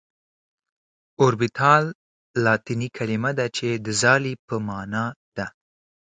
اوربيتال لاتيني کليمه ده چي د ځالي په معنا ده .